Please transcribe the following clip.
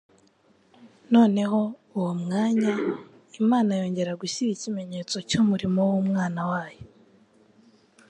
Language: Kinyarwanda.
Noneho uwo mwanya Imana yongera gushyira ikimenyetso cy’umurimo w'Umwana wayo.